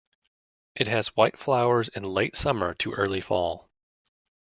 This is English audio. It has white flowers in late summer to early fall.